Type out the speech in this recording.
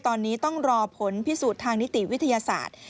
ตอนนี้ต้องรอผลพิสูจน์ทางนิติวิทยาศาสตร์